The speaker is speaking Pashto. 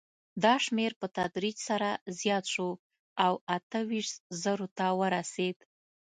دا شمېر په تدریج سره زیات شو او اته ویشت زرو ته ورسېد.